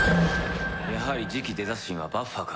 やはり次期デザ神はバッファか。